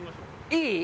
いい？